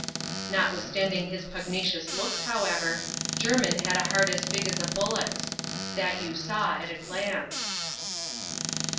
Notwithstanding his pugnacious looks, however, Jermin had a heart as big as a bullock's ; that you saw at a glance.